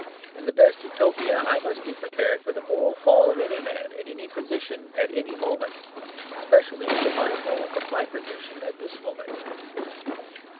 In the best Utopia, I must be prepared for the moral fall of any man in any position at any moment; especially for my fall from my position at this moment.